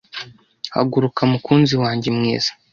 Haguruka mukunzi wanjye mwiza